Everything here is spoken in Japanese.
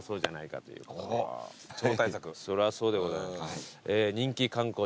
そりゃそうでございますね。